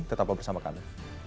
tetap bersama kami